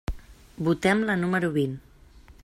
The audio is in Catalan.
Votem la número vint.